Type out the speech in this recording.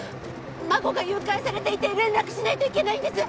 孫が誘拐されていて連絡しないといけないんです